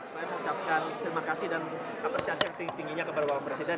saya mengucapkan terima kasih dan apresiasi yang tinggi tingginya kepada bapak presiden